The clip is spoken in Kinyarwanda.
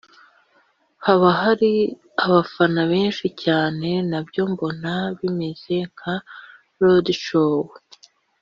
haba hari abafana benshi cyane nabyo mbona bimeze nka Roadshow